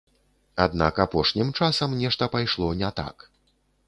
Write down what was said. Аднак апошнім часам нешта пайшло не так.